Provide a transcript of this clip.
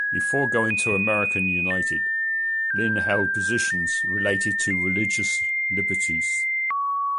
Before going to Americans United, Lynn held positions related to religious liberties.